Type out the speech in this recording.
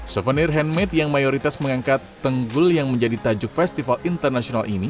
souvenir handmade yang mayoritas mengangkat tenggul yang menjadi tajuk festival internasional ini